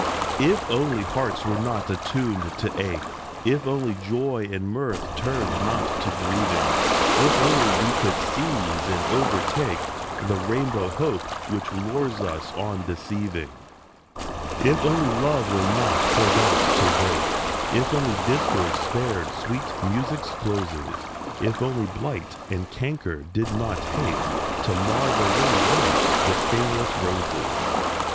If only hearts were not attuned to ache, If only joy and mirth turned not to grieving, If only we could seize and overtake The rainbow Hope which lures us on deceiving ! If only love were not poured out to waste, If only discord spared sweet music's closes, If only blight and canker did not haste To mar the lily's white, the stainless roses